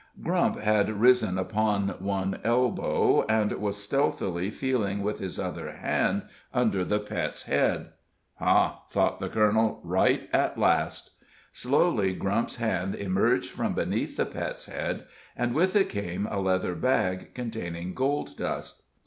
Grump had risen upon one elbow, and was stealthily feeling with his other hand under the Pet's head. "Ha!" thought the colonel; "right at last." Slowly Grump's hand emerged from beneath the Pet's head, and with it came a leather bag containing gold dust.